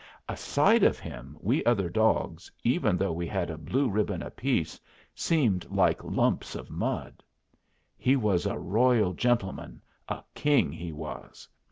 Aside of him we other dogs, even though we had a blue ribbon apiece, seemed like lumps of mud. He was a royal gentleman, a king, he was.